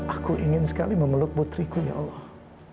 aku ingin sekali memeluk putriku ya allah